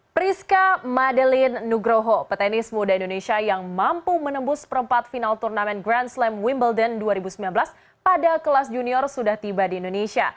priska madeline nugroho petenis muda indonesia yang mampu menembus perempat final turnamen grand slam wimbledon dua ribu sembilan belas pada kelas junior sudah tiba di indonesia